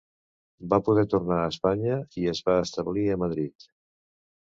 Va poder tornar a Espanya i es va establir a Madrid.